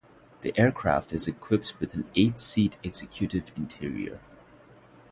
The aircraft is equipped with an eight-seat executive interior.